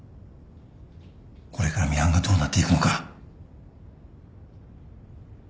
これからミハンがどうなっていくのか。